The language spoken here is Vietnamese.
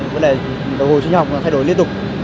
vấn đề đồng hồ sinh học thay đổi liên tục